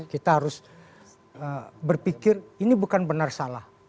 kita harus berpikir ini bukan benar salah